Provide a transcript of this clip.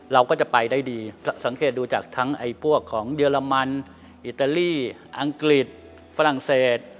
เราก็จะไปได้ดีสังเกตดูจากทั้งพวกของเยอรมันอิตาลีอังกฤษฝรั่งเศส